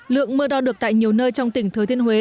lượng mưa đo được tại nhiều nơi trong tỉnh thừa thiên huế